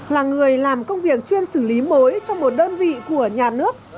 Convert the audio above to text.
là người làm công việc chuyên xử lý mới trong một đơn vị của nhà nước